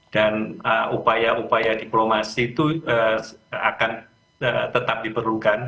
dan upaya upaya diplomasi itu akan tetap diperlukan